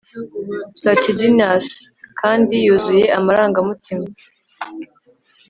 Platitudinous kandi yuzuye amarangamutima